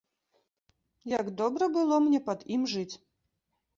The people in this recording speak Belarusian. Як добра было мне пад ім жыць!